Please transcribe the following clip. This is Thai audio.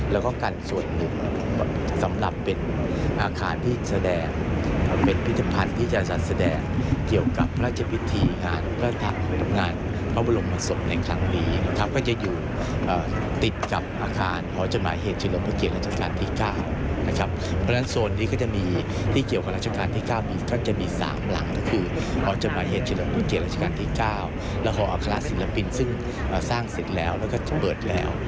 และห่ออาคาราศิลปินซึ่งสร้างเสร็จแล้วและก็เบิดแล้ว